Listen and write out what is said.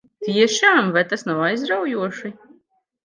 Tiešām? Vai tas nav aizraujoši?